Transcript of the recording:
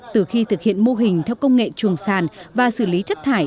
từ khi thực hiện mô hình theo công nghệ chuồng sàn và xử lý chất thải